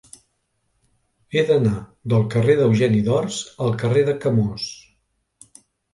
He d'anar del carrer d'Eugeni d'Ors al carrer de Camós.